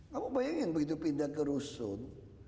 kamu bayangin begitu pindah ke rusun